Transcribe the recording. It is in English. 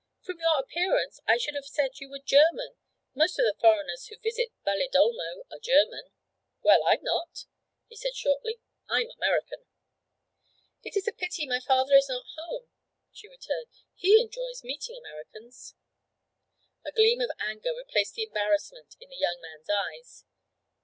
'From your appearance I should have said you were German most of the foreigners who visit Valedolmo are German.' 'Well, I'm not,' he said shortly. 'I'm American.' 'It is a pity my father is not at home,' she returned, 'he enjoys meeting Americans.' A gleam of anger replaced the embarrassment in the young man's eyes.